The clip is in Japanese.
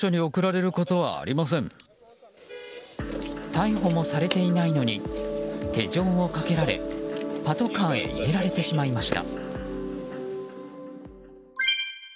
逮捕もされていないのに手錠をかけられパトカーへ入れられてしまいました。